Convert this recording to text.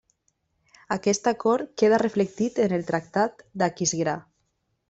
Aquest acord quedà reflectit en el Tractat d'Aquisgrà.